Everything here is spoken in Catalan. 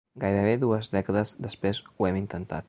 Gairebé dues dècades després ho hem intentat.